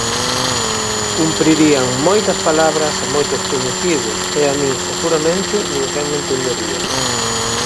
Cumprirían moitas palabras e moitos coñecidos, e a min, seguramente, ninguén me entendería.